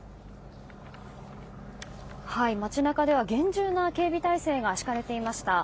街中では厳重な警備態勢が敷かれていました。